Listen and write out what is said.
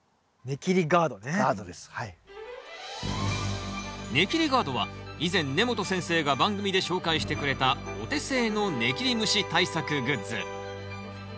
ネキリガードは以前根本先生が番組で紹介してくれたお手製のネキリムシ対策グッズ。